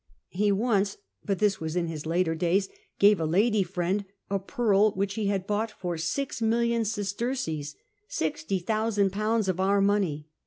He once (but this was in his later days) gave a lady friend a pearl which he had bought for 6,000,000 sesterces — ;^6o,ooo of our money.